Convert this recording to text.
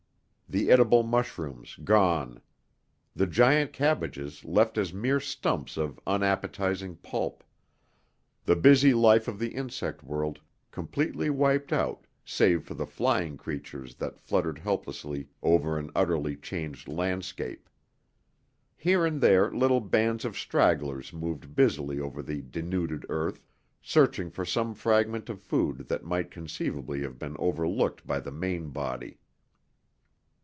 The edible mushrooms gone. The giant cabbages left as mere stumps of unappetizing pulp, the busy life of the insect world completely wiped out save for the flying creatures that fluttered helplessly over an utterly changed landscape. Here and there little bands of stragglers moved busily over the denuded earth, searching for some fragment of food that might conceivably have been overlooked by the main body.